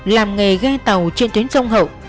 làm nghề ghe tàu trên tuyến sông hậu